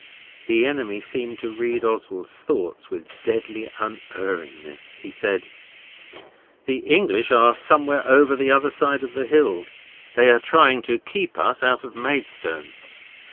The enemy seemed to read Oswald's thoughts with deadly unerringness. He said 'The English are somewhere over on the other side of the hill. They are trying to keep us out of Maidstone.